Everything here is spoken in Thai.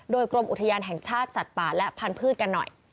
โดยกรมอุทยานแห่งชาติสัตว์ป่าและพันธุ์กันหน่อย